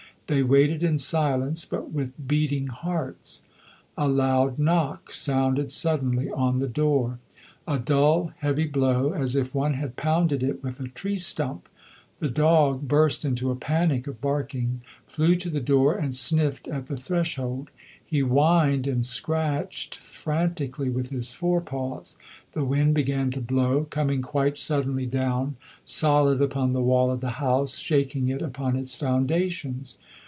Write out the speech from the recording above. They waited in silence, but with beating hearts. A loud knock sounded suddenly on the door a dull, heavy blow, as if one had pounded it with a tree stump. The dog burst into a panic of barking, flew to the door and sniffed at the threshold. He whined and scratched frantically with his forepaws. The wind began to blow, coming quite suddenly down, solid upon the wall of the house, shaking it upon its foundations.